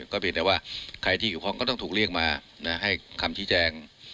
ก็เพียงแต่ว่าใครที่เกี่ยวข้องก็ต้องถูกเรียกมาให้คำชี้แจง